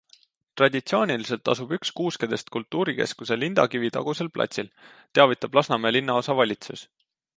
Traditsiooniliselt asub üks kuuskedest kultuurikeskuse Lindakivi tagusel platsil, teavitab Lasnamäe linnaosa valitsus.